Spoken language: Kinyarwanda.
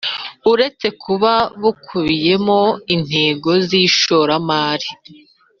Uretse kuba bukubiyemo intego z ishoramari